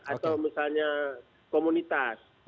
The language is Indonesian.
atau misalnya komunitas